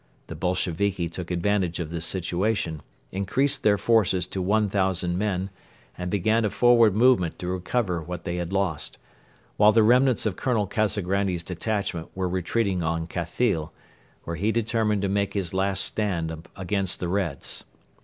The Bolsheviki took advantage of this situation, increased their forces to one thousand men and began a forward movement to recover what they had lost, while the remnants of Colonel Kazagrandi's detachment were retreating on Khathyl, where he determined to make his last stand against the Reds.